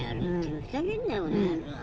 ふざけんなよ、このやろー。